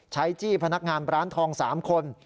จี้พนักงานร้านทอง๓คน